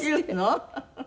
フフフフ。